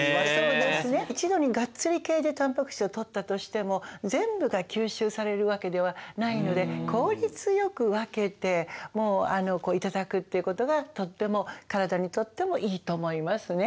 一度にガッツリ系でたんぱく質をとったとしても全部が吸収されるわけではないので効率よく分けて頂くっていうことがとっても体にとってもいいと思いますね。